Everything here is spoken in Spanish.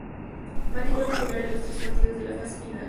Mattia fue titular en los tres partidos de la fase final.